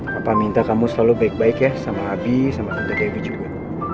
papa minta kamu selalu baik baik ya sama habi sama tante dewi juga